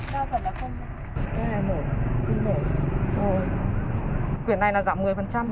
đa phần là không không